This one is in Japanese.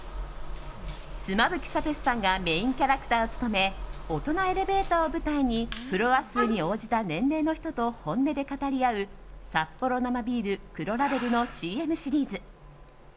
妻夫木聡さんがメインキャラクターを務め大人エレベーターを舞台にフロア数に応じた年齢の人と本音で語り合うサッポロ生ビール黒ラベルのＣＭシリーズ。